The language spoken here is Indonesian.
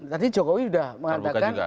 tadi jokowi sudah mengatakan